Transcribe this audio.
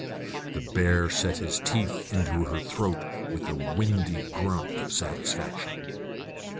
The bear set his teeth into her throat with a windy grunt of satisfaction.